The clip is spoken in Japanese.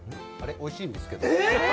おいしいんですけど。